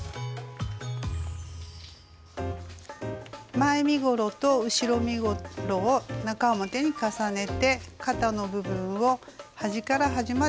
前身ごろと後ろ身ごろを中表に重ねて肩の部分を端から端まで縫います。